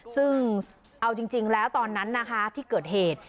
ซึ่งเอาจริงแล้วตอนนั้นนะคะที่เกิดเหตุ